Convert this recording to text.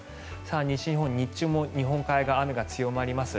西日本、日中も日本海側、雨が強まります。